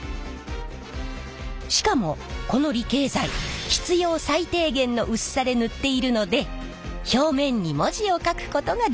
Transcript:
しかもこの離型剤必要最低限の薄さで塗っているので表面に文字を書くことができるのです。